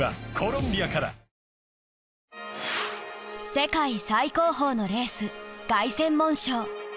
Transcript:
世界最高峰のレース凱旋門賞。